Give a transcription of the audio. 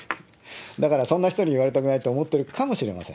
だからそんな人に言われたくないと思ってるかもしれません。